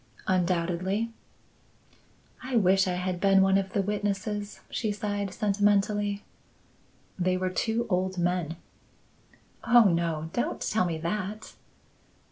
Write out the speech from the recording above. "Undoubtedly." "I wish I had been one of the witnesses," she sighed sentimentally. "They were two old men." "Oh, no! Don't tell me that."